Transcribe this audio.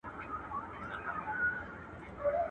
اوربشي که سل منه په روپي سي، د خره پکښې يوه لپه ده.